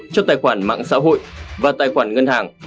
cho tài khoản mạng xã hội và tài khoản ngân hàng